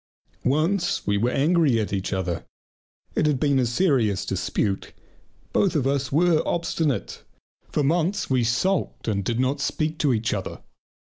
Once we were angry at each other. It had been a serious dispute. Both of us were obstinate, for months we sulked and did not speak to each other.